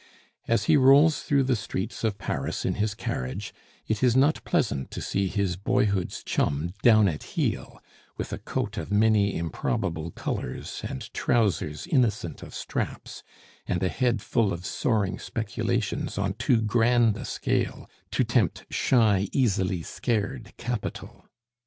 As he rolls through the streets of Paris in his carriage, it is not pleasant to see his boyhood's chum down at heel, with a coat of many improbable colors and trousers innocent of straps, and a head full of soaring speculations on too grand a scale to tempt shy, easily scared capital.